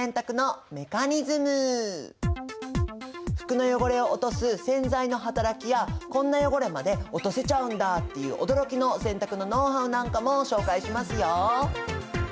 服の汚れを落とす洗剤の働きやこんな汚れまで落とせちゃうんだっていう驚きの洗濯のノウハウなんかも紹介しますよ。